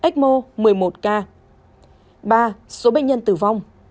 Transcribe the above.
ba số bệnh nhân tử vong